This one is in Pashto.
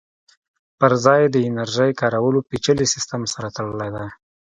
پرځای یې د انرژۍ کارولو پېچلي سیسټم سره تړلی دی